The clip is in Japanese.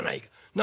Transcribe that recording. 何？